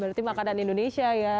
berarti makanan indonesia ya